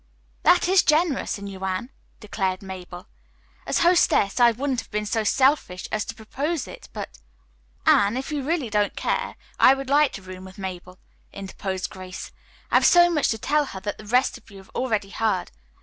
"That is generous in you, Anne," declared Mabel "As hostess I wouldn't have been so selfish as to propose it, but " "Anne, if you really don't care, I would like to room with Mabel," interposed Grace. "I have so much to tell her that the rest of you have already heard.